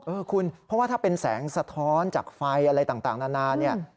เออคุณเพราะว่าถ้าเป็นแสงสะท้อนจากไฟอะไรต่างนานาเนี่ย